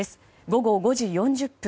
午後５時４０分